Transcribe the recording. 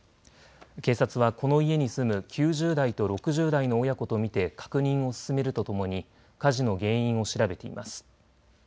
警察はこの家に住む９０代と６０代の親子と見て確認を進めるとともに火事の原因を調べています。